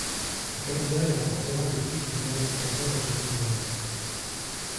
Au Canada, il remportera le prix du meilleur documentaire au Genie Award.